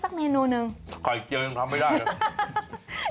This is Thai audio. สักเมนูหนึ่งไก่เกียร์ยังทำไม่ได้